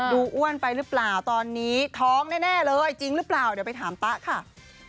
อ้วนไปหรือเปล่าตอนนี้ท้องแน่เลยจริงหรือเปล่าเดี๋ยวไปถามป๊าค่ะ